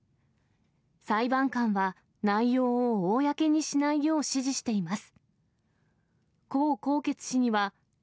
裁判官は内容を公にしないよう指示しています。